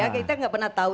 kita gak pernah tahu